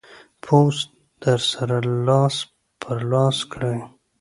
پوسټ در سره لاس پر لاس کړئ.